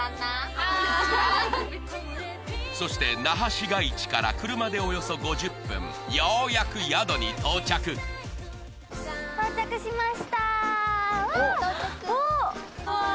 そして那覇市街地から車でおよそ５０分ようやく宿に到着うわぁ！